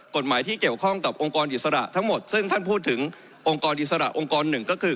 กฎหมายที่เกี่ยวข้องกับองค์กรอิสระทั้งหมดซึ่งท่านพูดถึงองค์กรอิสระองค์กรหนึ่งก็คือ